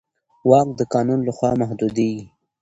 واک د قانون له خوا محدودېږي.